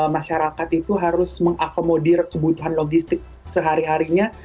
masyarakat itu harus mengakomodir kebutuhan logistik sehari harinya